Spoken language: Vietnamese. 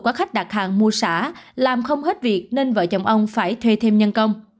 có khách đặt hàng mua xả làm không hết việc nên vợ chồng ông phải thuê thêm nhân công